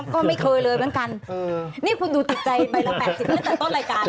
ก็ไม่เคยเลยเหมือนกันนี่คุณดูติดใจใบละ๘๐ตั้งแต่ต้นรายการ